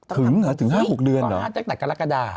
ถึงหรอ๕๖เดือนหรอ